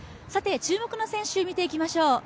注目の選手見ていきましょう。